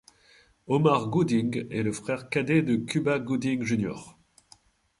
Omar Gooding est le frère cadet de Cuba Gooding Jr.